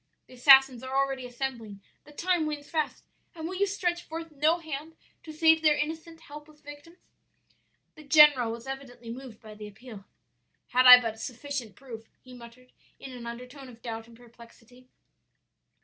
The assassins are already assembling, the time wanes fast, and will you stretch forth no hand to save their innocent, helpless victims?' "The general was evidently moved by the appeal. 'Had I but sufficient proof,' he muttered in an undertone of doubt and perplexity.